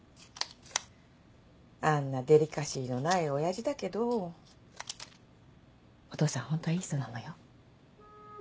あんなデリカシーのない親父だけどお父さんホントはいい人なのよ。